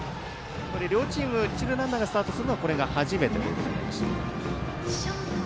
両チーム、一塁ランナーがスタートするのはこれが初めてとなりました。